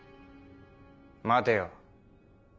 待てよ。